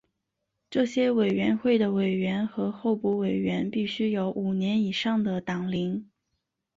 这些委员会的委员和候补委员必须有五年以上的党龄。